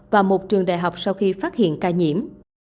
và một trường đại học sau khi phát hiện ca nhiễm